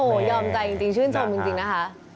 โอ้โหยอมใจจริงชื่นชมจริงนะคะ